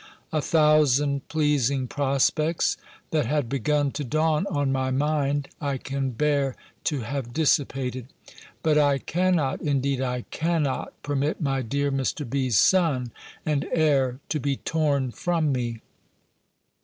A thousand pleasing prospects, that had begun to dawn on my mind, I can bear to have dissipated! But I cannot, indeed I cannot! permit my dear Mr. B.'s son and heir to be torn from me.